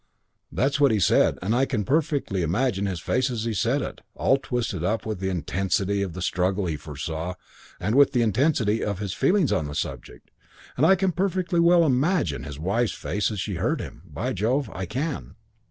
"That's what he said; and I can perfectly imagine his face as he said it all twisted up with the intensity of the struggle he foresaw and with the intensity of his feelings on the subject; and I can perfectly well imagine his wife's face as she heard him, by Jove, I can.